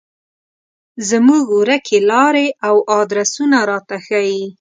زموږ ورکې لارې او ادرسونه راته ښيي.